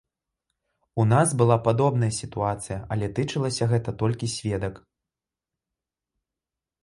У нас была падобная сітуацыя, але тычылася гэта толькі сведак.